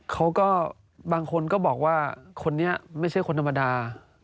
เขาก็บางคนก็บอกว่าคนนี้ไม่ใช่คนธรรมดา